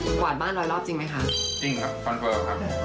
กวาดบ้านร้อยรอบจริงไหมคะจริงครับคอนเฟิร์มครับ